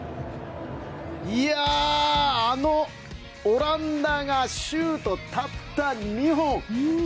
あのオランダがシュートたった２本！